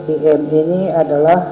iem ini adalah